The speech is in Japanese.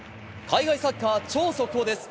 海外サッカー、超速報です。